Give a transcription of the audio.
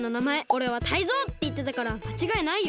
「おれはタイゾウ！」っていってたからまちがいないよ。